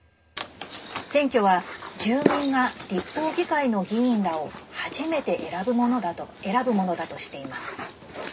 選挙は住民が立法議会の議員らを初めて選ぶものだとしています。